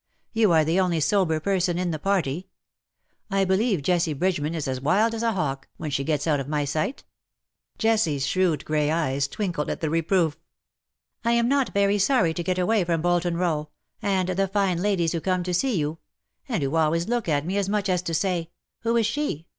You are the only sober person in the party. I believe Jessie Bridgeman is as wild as a hawk, when she gets out of my sight.^"* Jessicas shrewd grey eyes twinkled at the reproof. " I am not very sorry to get away from Bolton Eow^ and the fine ladies who come to see you — and who always look at me as much as to say, ' Who is she